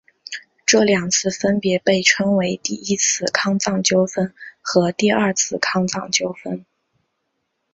这两次分别被称为第一次康藏纠纷和第二次康藏纠纷。